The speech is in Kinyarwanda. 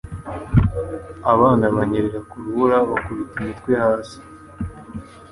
Abana banyerera ku rubura bakubita imitwe hasi